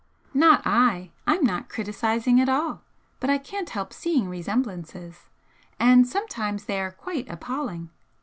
"Not I. I'm not criticising at all. But I can't help seeing resemblances. And sometimes they are quite appalling.